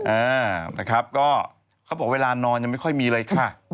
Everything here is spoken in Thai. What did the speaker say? อ่านะครับก็เขาบอกเวลานอนยังไม่ค่อยมีเลยค่ะ